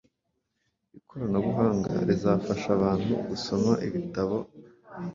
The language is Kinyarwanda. Ikoranabuhanga rizafasha abantu gusoma ibitabo by